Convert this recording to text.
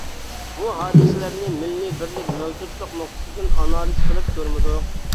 بۇ ھادىسىلەرنى مىللىي بىرلىك، مەۋجۇتلۇق نۇقتىسىدىن ئانالىز قىلىپ كۆرمىدۇق.